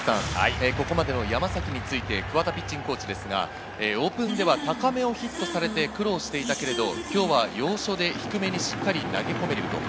ここまでの山崎について桑田ピッチングコーチ、オープン戦では高めをヒットして苦労していたけれど今日は要所で低めにしっかり投げ込めている。